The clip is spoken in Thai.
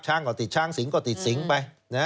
ก็ติดช้างสิงก็ติดสิงไป